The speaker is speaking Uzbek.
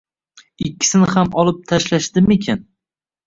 Ikkisin ham olib tashlashdimikan?